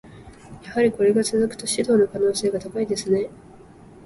やはりこれが続くと、指導の可能性が高いですね。